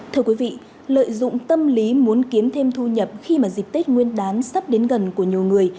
thưa quý vị lợi dụng tâm lý muốn kiếm thêm thu nhập khi mà dịp tết nguyên đán sắp đến gần của nhiều người